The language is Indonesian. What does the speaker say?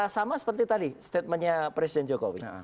sama seperti tadi statementnya presiden jokowi